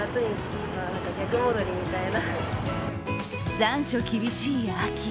残暑厳しい秋。